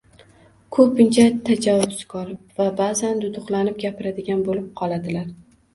ko‘pincha tajovuzkor va ba’zan duduqlanib gapiradigan bo‘lib qoladilar.